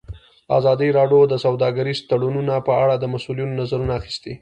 ازادي راډیو د سوداګریز تړونونه په اړه د مسؤلینو نظرونه اخیستي.